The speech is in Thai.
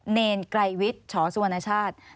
เรนไกรวิชฉศัวร์สุรณชาติ